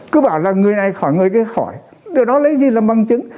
cứ bảo là người này khỏi người đấy khỏi điều đó lấy gì làm bằng chứng